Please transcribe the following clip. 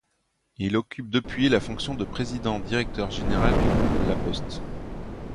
Il occupe depuis la fonction de président-directeur général du groupe La Poste.